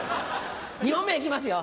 ２問目いきますよ